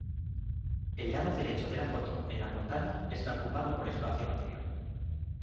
El lado derecho de la foto en la portada está ocupado por espacio vacío.